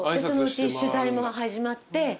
そのうち取材も始まって。